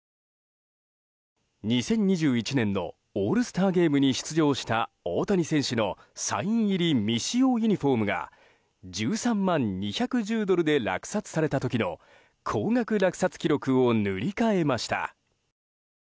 ２０２１年のオールスターゲームに出場した大谷選手のサイン入り未使用ユニホームが１３万２１０ドルで落札された時の高額落札記録を塗り替えました。